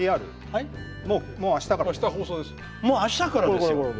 あしたからですよ。